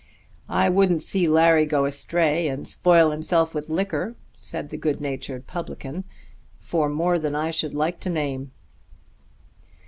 "I wouldn't see Larry go astray and spoil himself with liquor," said the good natured publican, "for more than I should like to name."